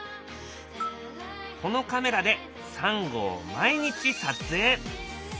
このカメラでサンゴを毎日撮影。